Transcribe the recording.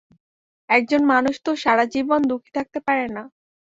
একজন মানুষ তো সারা জীবন দুঃখী থাকতে পারে না।